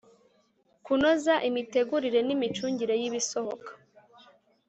kunoza imitegurire n imicungire y ibisohoka